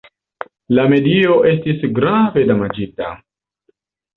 La medio estis grave damaĝita.